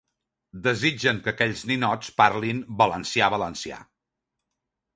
Desitgen que aquells ninots parlin 'valencià-valencià'.